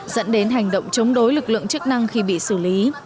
dẫn đến hành động chống đối lực lượng chức năng khi bị xử lý